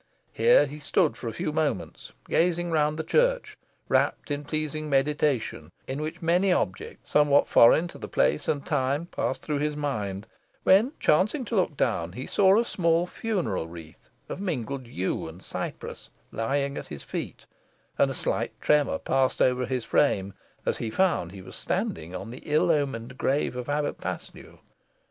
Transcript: Here he stood for a few moments gazing round the church, wrapt in pleasing meditation, in which many objects, somewhat foreign to the place and time, passed through his mind, when, chancing to look down, he saw a small funeral wreath, of mingled yew and cypress, lying at his feet, and a slight tremor passed over his frame, as he found he was standing on the ill omened grave of Abbot Paslew.